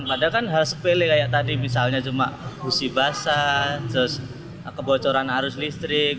padahal kan hal sepele kayak tadi misalnya cuma busi basah terus kebocoran arus listrik